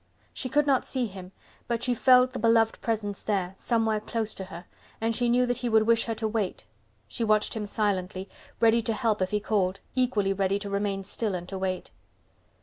She could not see him, but she felt the beloved presence there, somewhere close to her, and she knew that he would wish her to wait.... She watched him silently... ready to help if he called... equally ready to remain still and to wait.